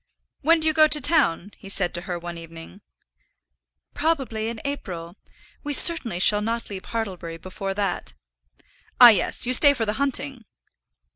"When do you go to town?" he said to her one evening. "Probably in April. We certainly shall not leave Hartlebury before that." "Ah, yes. You stay for the hunting."